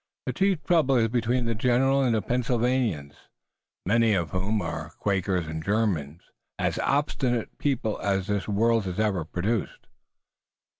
The chief trouble is between the general and the Pennsylvanians, many of whom are Quakers and Germans, as obstinate people as this world has ever produced."